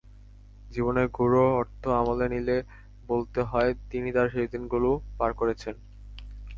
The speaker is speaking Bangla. জীবনের গূঢ় অর্থ আমলে নিলে বলতে হয়, তিনি তার শেষদিনগুলি পার করছেন।